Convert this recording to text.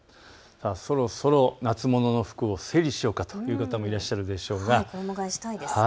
そろそろ夏物の服を整理しようかという方もいらっしゃると思います。